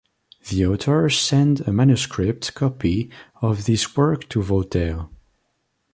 The author sent a manuscript copy of this work to Voltaire.